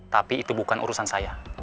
tapi itu bukan urusan saya